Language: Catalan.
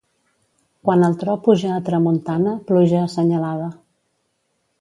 Quan el tro puja a tramuntana pluja assenyalada.